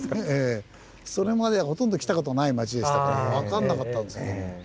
それまではほとんど来た事ない街でしたから分かんなかったんですけども。